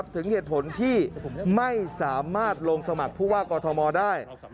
ถึงเหตุผลที่ไม่สามารถลงสมัครผู้ว่ากอทมได้